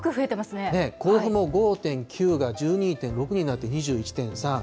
甲府も５．９が１２．６になって、２１．３。